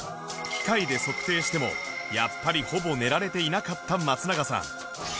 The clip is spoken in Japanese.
機械で測定してもやっぱりほぼ寝られていなかった松永さん